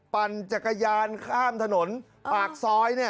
ปั่นจักรยานข้ามถนนปากซอย